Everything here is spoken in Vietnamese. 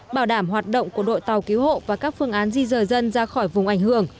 bảo đảm hoạt động của đội tàu cứu hộ và các phương án di rời dân ra khỏi vùng ảnh hưởng